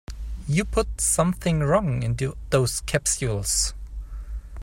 You put something wrong in those capsules.